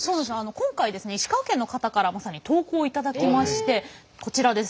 今回ですね石川県の方からまさに投稿を頂きましてこちらです。